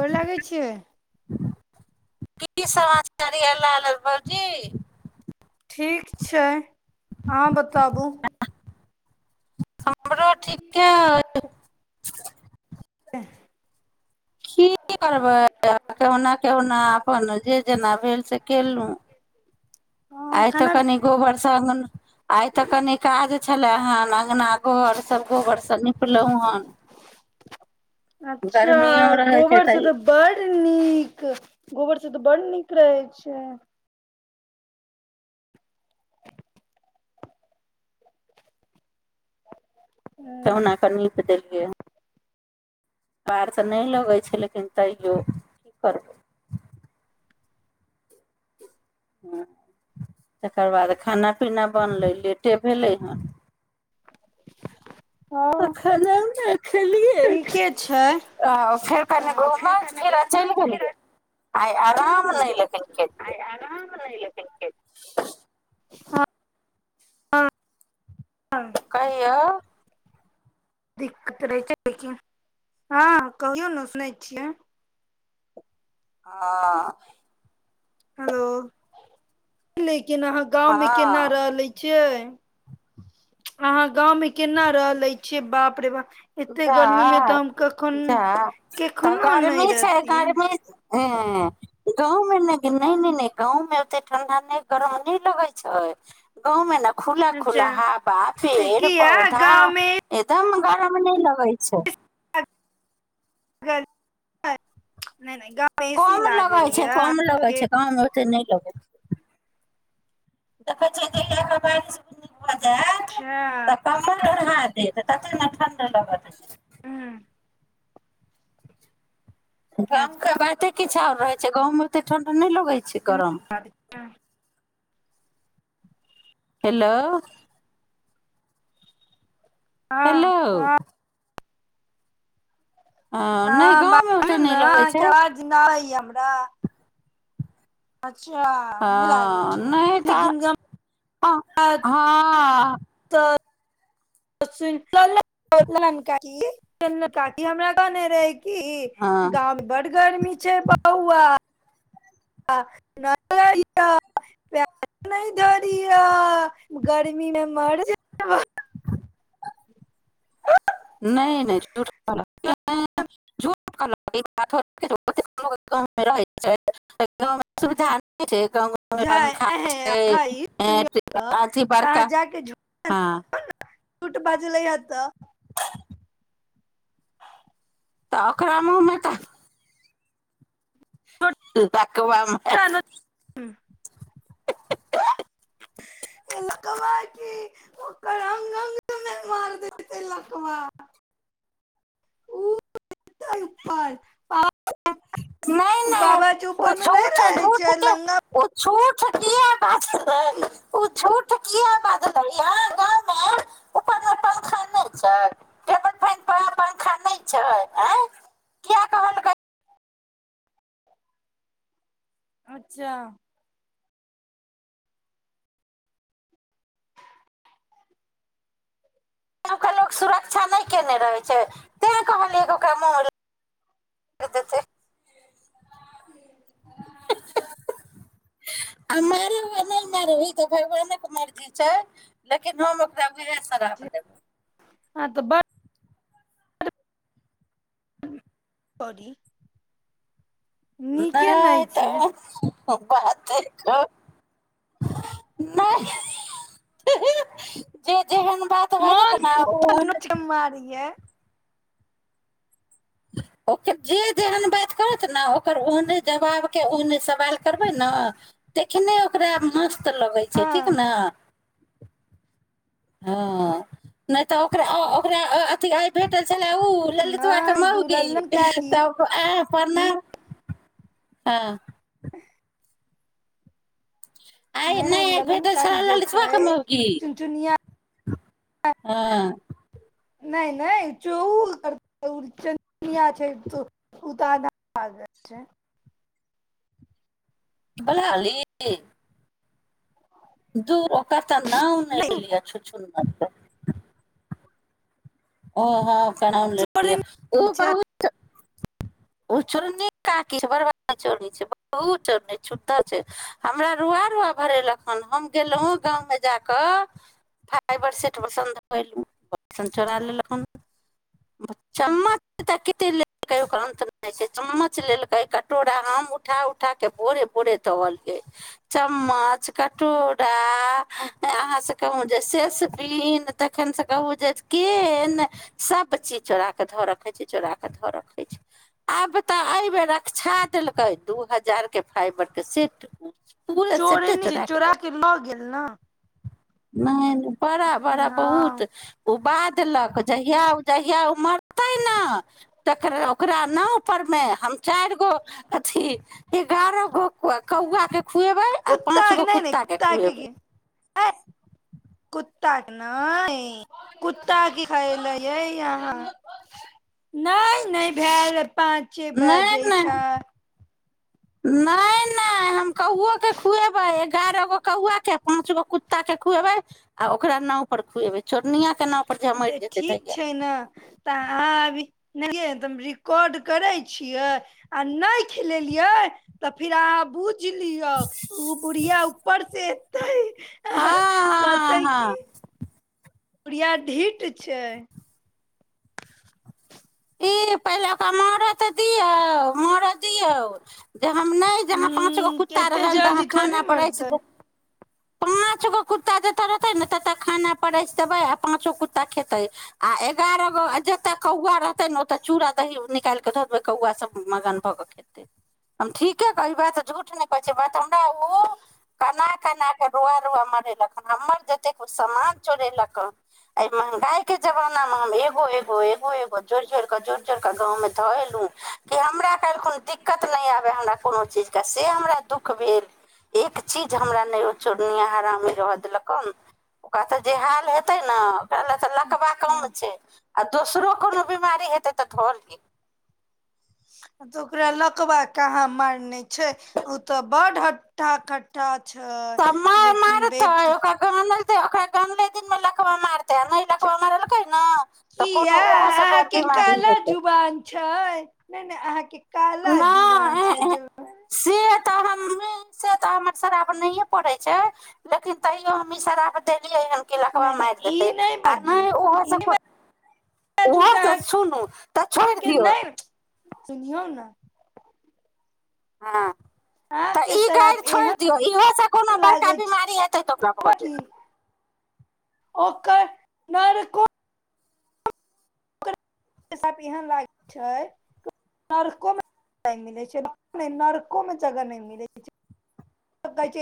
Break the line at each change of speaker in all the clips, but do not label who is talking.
गोर लागै छियै
की समाचारी है लालल भौजी
ठीक छैय अहाँ बताबू
हमरो ठीके अइ
[inaudible]
[inaudible]
[inaudible]
की करबै त केहुना केहुना अपन जे जेना भेल से केलहुँ
हँ
आइ तऽ
खाना
कनि गोबर स आइ तऽ कनि काज छलै हान अ घर गरपलहु हन
अच्छा
गर्मी
गोबर स तऽ बड नीक गोबर सभ तऽ बर नीक रहै छैय
केहुना क नीप देलियै पार तऽ नहि लगै छैय लेकिन तैओ की करबै तकर बाद खाना पीना बनले लेट ट भेलै हँ
[inaudible]
त खाना खेलियै
ठीके छै
आ फेर कनि घूमह
कने
फेर आ
घुमल
चलि
फेर
गेलियै आइ आराम नहि लेकिन खेलियै
नै लेकिन कलियय हँ
कहियाव
दिक्कत रहै छैय लेकिन हँ कहिय वोने सुनै छियै
ह
हेलो के अहाँ गाँंव मे केना
हँ
रहले छियै अहाँ गाँंवं में केना रहले छीयै बाप रे बाप एते
जा
गर्मी मे तऽ हम कखन
जा तऽ
केखनो नहि
गर्मी छैय
रहतियै
गर्मी ह गांव मे ने नहि गाव मे ओते ठंडा नहि गरम नहि लगे छैय गांव मे ने खुला
अच्छा
खुला हाबा
तऽ
फेड़
किया
पौधा
गाँवमे
एकदम ब नहि लगई छैय
नहि नहि गाँव मे ए सी
कम
लागल
लगैत छैय कम लगैत
ये
छैय गांव में ओतेक नहि लगैत छैय देखै छी जे
अच्छा
बढ़ा दे तख ने बाद [unintelligible]
हँ हँ
काम क बाते किछु आओर रहै छै गाव मे एतेक ठंडा नहि लगै छै गरम
[unintelligible]
हेलो हेलौ नहि
हँ
गाँवमे
बाज
ओते
ने
नहि लगै छै
अहाँके अबाज नैया हमरा अच्छा
हँ
नहि लागै छै लेकिन
ह हँ
तर ब च [unintelligible] फोन कयला न काटली च काकी हमरा कह नहि रहै की
हँ
गाँंव मे बड़ गर्मी छै बौआ प नहि धरह गर्मीमे मर जैब
नहि नहि झुठ कहलक इ बात गाव मे सुविधा नहि छै पंखा छै
हइ सुनियौ तऽ तऽ
अथि बड़का हँ
झुठ बाजी ल हत
तऽ ओकरा मुँहमे तऽ त त कबमे [inaudible]
कवे ओकरा अंग अंग मे मार देेतै लकवा [unintelligible]
नहि
ओ
नहि
बाबाजी
ओ
ऊपर मे नहि
झूठ
रहे छै
झूठ के
लंगा
ओ झूठ कि बाजलै ओ झूठ त की ह बाजलै परख नहि छै टेल फन पंखा नहि छै आ किया कहलकै
अच्छा
त ओकेरा लोक सुरक्षा नहि कयने रहै छै तैँ कहलियैग ओकरा म हदेतै
[unintelligible]
आ मार आ नहि मारै त भगवाने मर्जी छै लेकिन हम ओकरा श्राप देबै
हँ तऽ बड बॉरी
नहि
छै
तऽ बात नहि जेहन बात भ जेत ने ओ
मोन नोच के मारिये
ओकर जे जेहन बात करत ने ओकर ओन जवाबके ओहन सवाल करबै ने तखने ओकरा मस्त त लगै छै
हँ
ठीक ने हँ नहि तऽ ओकरा ओकरा अथ भेट छै चल उ ललितवा के
नहि
मौगी
दुललन काकी
आक आ ण हँ आइ नहि
ललन
फेटल स
काकी जो
ललत ब
छै
क मौगी
चुनचुनिया
हँअ्
नहि नहि चौल चिया छै त उताा भ जाइ छै [unintelligible]
बलाली दूर ओकर तऽ नाव न
नहि
लिअ छु छुन् अच्छा ओ हं च उन ल
चोरनी
ओ
छै
बत ओ चोरनी काकी बड़ भारी चोरनी छैइ बहुत चोरनी छैइ छूधर छई हमरा रुआ रुआ भरेलक हन हम गेलहु गाँव मे जाक फाइबर सेट पसंद परि फट सन चोरा लेलक हन एगो च्मच तो केते लेल कहियो के अंत छै चम्मच लेलकै कटोरा हम उठा उठा कऽ भोरे भोरे धऽ अलियै चम्मच कटोरा अहाँसे कहू जे सेसपिन तखनसँ कहू जे केन सब चीज चोरा कऽ धऽ रखइ छै चोराऽ धऽ रखै छै आब तऽ अई बेर अकक्षा देलकै दू हजार के फाइबर के सेट पूरा सेटे
चोरनी छै
चोरा के ल
लऽ गेल न
गेलैइ नई बड़ा बड़ा बहुत
हँ
ओ उकछाय देलक जहिया उ जहिया उ मरतै न तकरा ओकरा न चारि गो अथी एगारह गो कौआ के खुएबै आ
कुत्ता
पाँच
के
गो
नहि नहि
कुत्ता के खुएबै
ए कुत्ता के नैइ कुत्ता की खैलैऐ ह हँ नई नई भेल पाँचे बाजै छैइ
नई नई हम कौओ के खुएबै एगारहगो कौआ के पांच गो कुत्ता के खुएबैइ आ ओकरा नाव पर खुएवे चोरनीया के नाव पर जे मरि
तऽ
जेतै
ठीक
तहिया
छैइ ना तऽ अहाँ आबी नईये रिकॉर्ड करै छियै आ नई खिलेलियै तऽ फिर अहाँ बू बुझ लिऔ ओ बुढ़िया ऊपर से तै आ
हँ हँ
कहतै
हँ
की बुढ़िया ढिठ छैय
ई पहिले ओकरा मरअ् दियौ मरअ् दियौ जे हम नई जहाँ पाँच गो
हूं
कुत्ता
एते
रहल तहाँ
जल्दी थोड़ी
खाना प्रसाद
मरतै
दे पाँच गो कुत्ता जतऽ रहतै न ततऽ खाना परसि देबै आ पाँचो कुत्ता खेतै आ एगारह गो जतय कौआ रहतै त चूड़ा दही निकाल के ध देबै कौआ सब मगन भऽ के खेतैइ हम ठीके कहबई बात झूठ नई कहै छिअई बात हमरा ओ कना कना के रोआ रोआ मरेलक ह हमर जते सामान चोरेलक हन ए महंगाई के जमाना में हम एगो एगो एगो एगो जोरि जोरि कऽ जोड़ि जोड़ि कऽ गाँवमे धऽ अयलहुँ कि हमरा कि हमरा काइलखन दिक्कत नहि आबय हमरा कोनो चीजके से हमरा दुःख भेल एक चीज हमरा नई ओ चोरनिया हारामी रहय देलक हन ओकरा तऽ जे हाल हेतै न ओकरा लए तऽ लकबा कम
अच्छा
छैइ आ दोसरो कोनों बीमारी हेतै तऽली
तऽ ओकरा लकबा कहाँ मारने छैय ओ तऽ बड ह्ठा कट्ठा छै
तऽ माई
लेकिन
मारतै
बेट
तऽ ओकरा क तऽ नहि लकवा मारलकै नै तऽ
किया
कोनो ओहो स बर
अहाँके
बीमार हेतै
नहिं नहिं अहाँके काल जुबान छैय जे
त हम में से त हमर शराप नहिये पड़े छैय लेकिन तैयो हम ई शराप दे य ह लकवा
नहि नहि
मारि
ई
देतै आ
बाजू
नहि
ई नहि
ओहो
बाजू कि
ओहोस
अहाँके
सुनू तऽ छोड़ि दियौ
यौ ने
हाँ तऽ
अहाँके
ई गाइर
श्राप
छोड़ि
एहन
दियौ इहोसँ कोनो बड़का
लागै
बिमारी हेतै तऽ ओकरा
छै
भऽ
कि
जेतै
ओकर [unintelligible] बडको सप एहेन लागये छैय जे नरको में जगह नहि मिलय छैय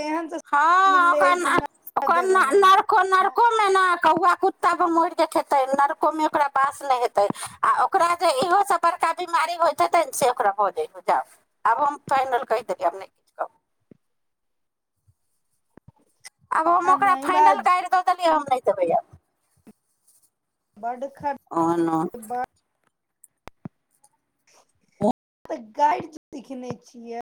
हँ ओकरा न
जगह
ओकरा
नहि
नर्कों में न कौआ कुत्ता मोड़ क खेतै नरको मे ओकरा वास नहि हेतै आ ओकरा जे इहो से बड़का बिमारी होइ हेतै ने से ओकरा भऽजै जाब आब हम फाइनल कहि देलियैब नहि किछु कहबइ आब हम ओकरा फाइनल गाइर द देलियै तै नहि देवय आब
बड खब
ओहन
बड तऽ गाइर जे सिखने छियै